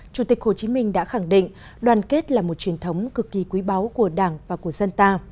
chủ tịch hồ chí minh đã khẳng định đoàn kết là một truyền thống cực kỳ quý báu của đảng và của dân ta